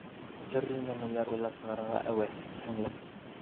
Төрлө нәмәләр уйлап сығарырға әүәҫ һеңлем: